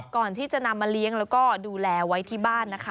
ก่อนที่จะนำมาเลี้ยงแล้วก็ดูแลไว้ที่บ้านนะคะ